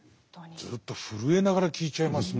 ずっと震えながら聴いちゃいますね。